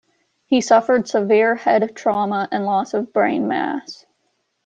He suffered severe head trauma and loss of brain mass.